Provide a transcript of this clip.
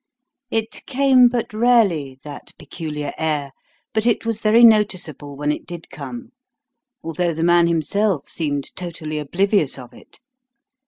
It came but rarely, that peculiar air, but it was very noticeable when it did come, although the man himself seemed totally oblivious of it.